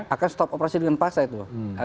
akan stop operasi dengan pasar itu